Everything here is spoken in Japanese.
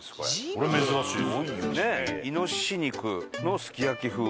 これ珍しいです。